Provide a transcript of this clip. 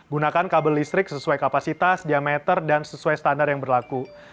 gunakan kabel listrik sesuai kapasitas diameter dan sesuai standar yang berlaku